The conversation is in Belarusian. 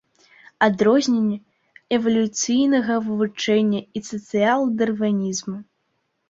Адрозненне эвалюцыйнага вучэння і сацыял-дарвінізму.